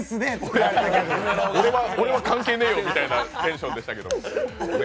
俺は関係ねぇよみたいなテンションでしたけれども。